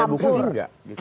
ada buku juga